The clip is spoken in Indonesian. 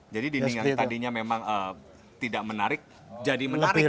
jadi di dinding yang tadinya memang tidak menarik jadi menarik